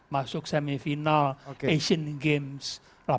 masuk semifinal asian games delapan puluh delapan